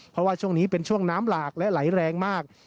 เพราะว่าช่วงนี้เป็นช่วงน้ำหลากและไหลแรงมาก